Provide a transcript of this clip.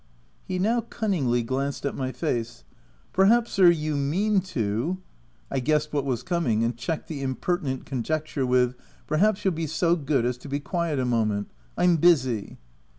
He now cunningly glanced at my face. " Perhaps, sir, you mean to —" I guessed what was coming, and checked the impertinent conjecture with, — c ? Perhaps you'll be so good as to be quiet a moment. I'm busy."